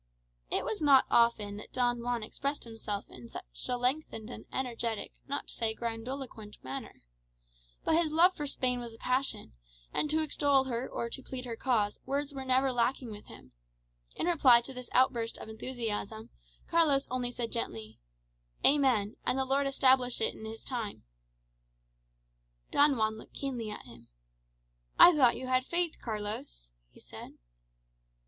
It was not often that Don Juan expressed himself in such a lengthened and energetic, not to say grandiloquent manner. But his love for Spain was a passion, and to extol her or to plead her cause words were never lacking with him. In reply to this outburst of enthusiasm, Carlos only said gently, "Amen, and the Lord establish it in his time." Don Juan looked keenly at him. "I thought you had faith, Carlos?" he said.